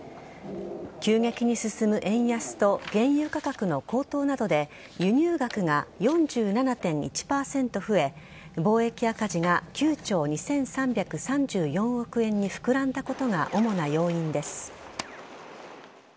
急激に進む円安と原油価格の高騰などで輸入額が４７．１％増え貿易赤字が９兆２３３４億円に膨らんだことが主な要因です。